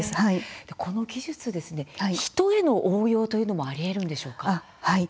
この技術、ヒトへの応用というのもありえるんでしょうか。